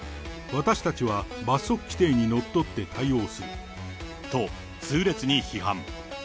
私たちは罰則規定にのっとって対と、痛烈に批判。